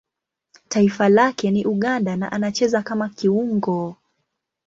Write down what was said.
Taifa lake ni Uganda na anacheza kama kiungo.